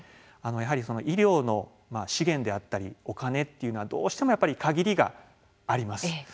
やはり医療の資源であったりお金というのはどうしてもやはり限りがあります。